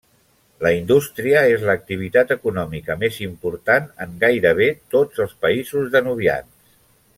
La indústria és l'activitat econòmica més important en gairebé tots els països danubians.